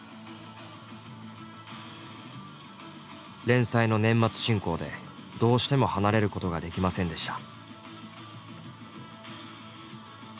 連載の年末進行でどうしても離れることができませんでした。